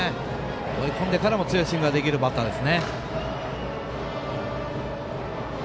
追い込んでからも強いスイングができるバッターです。